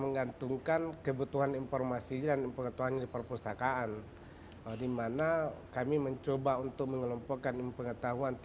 menggantungkan kebutuhan informasi dan dia perpustakaan dimana kami mencoba untuk mengelempelkan